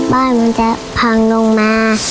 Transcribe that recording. บ้านมันจะพังลงมา